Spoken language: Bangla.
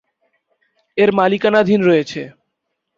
এর মালিকানাধীন রয়েছে।